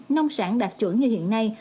nông sản đạt chuẩn như hiện nay